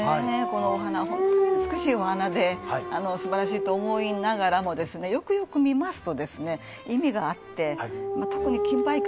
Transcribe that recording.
このお花、本当に美しいお花で素晴らしいと思いながらもよくよく見ますと意味があって。